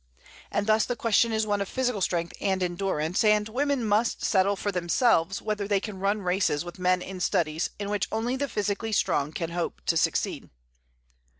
And thus the question is one of physical strength and endurance; and women must settle for themselves whether they can run races with men in studies in which only the physically strong can hope to succeed.